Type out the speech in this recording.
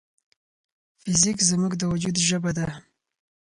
فزیک زموږ د وجود ژبه ده.